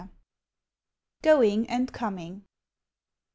GOING AND COMING.